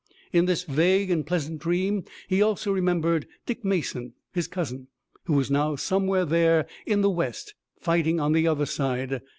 In this vague and pleasant dream he also remembered Dick Mason, his cousin, who was now somewhere there in the west fighting on the other side.